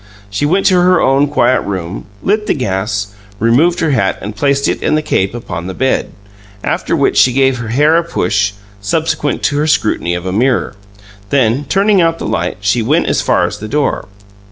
She went to her own quiet room, lit the gas, removed her hat and placed it and the cape upon the bed; after which she gave her hair a push, subsequent to her scrutiny of a mirror; then, turning out the light, she went as far as the door.